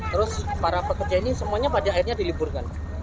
terus para pekerja ini semuanya pada akhirnya diliburkan